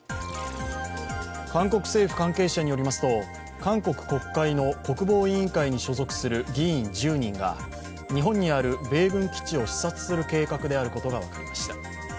韓国政府関係者によりますと韓国国会の国防委員会に所属する議員１０人が日本にある米軍基地を視察する計画であることが分かりました。